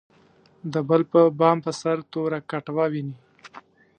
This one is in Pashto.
بل د بام په سر توره کټوه ویني.